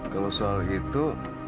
kalau soal itu